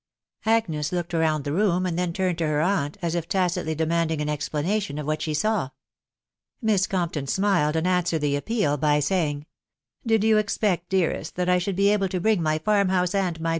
Agnes looked round the room, and then turned rto her aunt, as if tacitly demanding an explanation of what she saw. Miss Compton smiled, and answered the appeal by saying, " Did you expect, dearest, that I should \» da\fc \a\sc>»%xK% farm house and my.